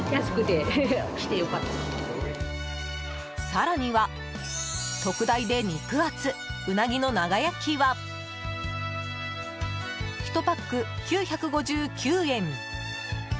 更には特大で肉厚ウナギの長焼は１パック９５９円。